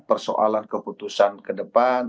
persoalan keputusan ke depan